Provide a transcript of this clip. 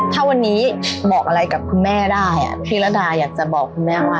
ถ้าวันนี้บอกอะไรกับคุณแม่ได้พี่ระดาอยากจะบอกคุณแม่ว่า